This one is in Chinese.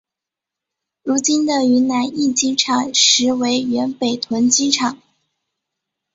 如今的云南驿机场实为原北屯机场。